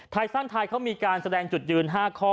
ไทยสร้างไทยเขามีการแสดงจุดยืน๕ข้อ